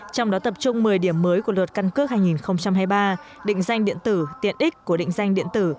trong đó tập trung một mươi điểm mới của luật căn cước hai nghìn hai mươi ba định danh điện tử tiện ích của định danh điện tử